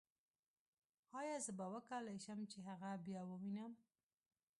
ایا زه به وکولای شم چې هغه بیا ووینم